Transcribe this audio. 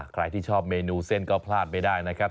ใครที่ชอบเมนูเส้นก็พลาดไม่ได้นะครับ